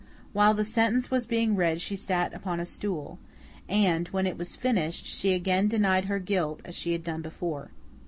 While the sentence was being read she sat upon a stool; and, when it was finished, she again denied her guilt, as she had done before.